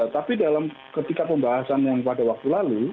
tapi dalam ketika pembahasan yang pada waktu lalu